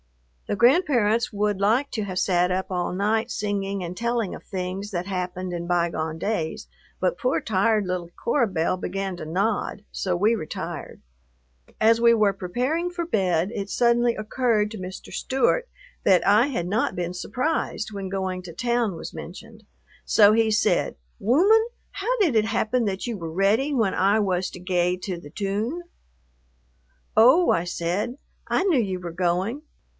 The grandparents would like to have sat up all night singing and telling of things that happened in bygone days, but poor tired little Cora Belle began to nod, so we retired. As we were preparing for bed it suddenly occurred to Mr. Stewart that I had not been surprised when going to town was mentioned, so he said, "Wooman, how did it happen that you were ready when I was to gae to the toone?" "Oh," I said, "I knew you were going."